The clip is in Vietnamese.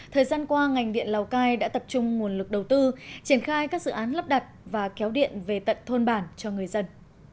thời gian qua ngành điện lào cai đã tập trung nguồn lực đầu tư triển khai các dự án lắp đặt và kéo điện về tận thôn bản cho người dân